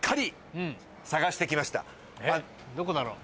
えっどこだろう？